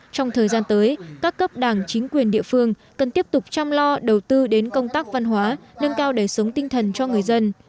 trong thời gian tới các cấp đảng chính quyền địa phương cần tiếp tục chăm lo đầu tư đến công tác văn hóa nâng cao đời sống tinh thần cho người dân